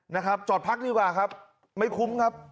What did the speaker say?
นะครับจอดพักดีกว่าครับไม่คุ้มครับ